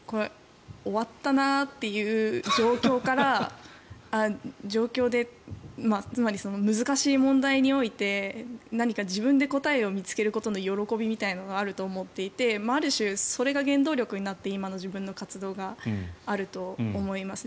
終わったなという状況でつまり、難しい問題において何か自分で答えを見つけるみたいな喜びというのがあると思っていてある種、それが原動力になって今の自分の活動があると思います。